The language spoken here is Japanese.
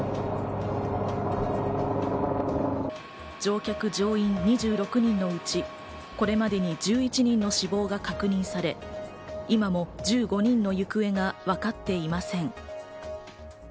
乗客・乗員２６人のうち、これまでに１１人の死亡が確認され、今も１５人の行方がわかっていません。